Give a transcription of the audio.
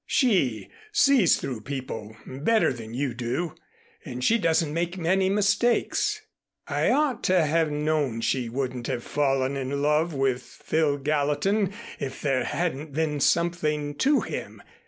She sees through people better than you do and she doesn't make many mistakes. I ought to have known she wouldn't have fallen in love with Phil Gallatin if there hadn't been something to him.